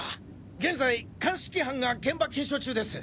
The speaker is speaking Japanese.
現在鑑識班が現場検証中です。